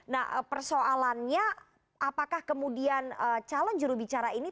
nah persoalannya apakah kemudian calon jurubicara ini